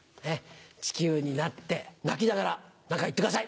地球になって泣きながら何か言ってください。